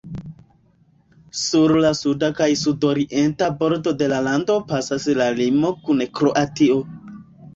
Sur la suda kaj sudorienta bordo de la lando pasas la limo kun Kroatio.